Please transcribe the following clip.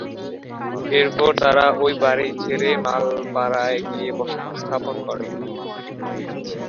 এরপর তারা ঐ বাড়ি ছেড়ে মালপাড়ায় গিয়ে বসতি স্থাপন করে।